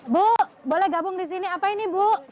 bu boleh gabung di sini apa ini bu